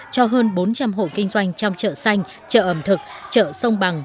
cho hơn bốn trăm linh hộ kinh doanh trong chợ xanh chợ ẩm thực chợ sông bằng